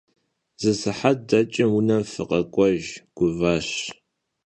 Zı sıhet deç'ım vunem fık'uejj, guvaş.